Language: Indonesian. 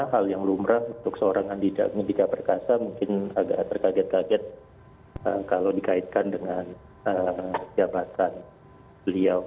hal yang lumrah untuk seorang andika perkasa mungkin agak terkaget kaget kalau dikaitkan dengan jabatan beliau